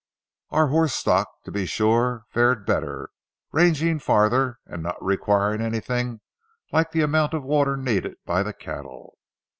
Our horse stock, to be sure, fared better, ranging farther and not requiring anything like the amount of water needed by the cattle.